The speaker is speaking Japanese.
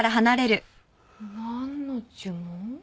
何の呪文？